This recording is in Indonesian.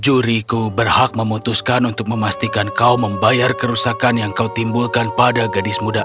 juriku berhak memutuskan untuk memastikan kau membayar kerusakan yang kau timbulkan pada gadis muda